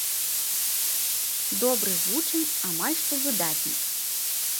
Добры вучань, амаль што выдатнік.